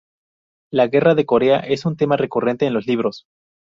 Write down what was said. La Guerra de Corea es un tema recurrente en los libros.